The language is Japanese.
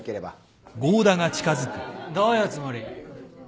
どういうつもり？